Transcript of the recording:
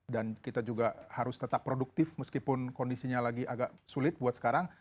dan kita juga harus tetap produktif meskipun kondisinya lagi agak sulit buat sekarang